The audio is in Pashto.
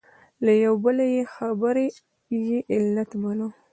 له یوه بله بې خبري یې علت باله.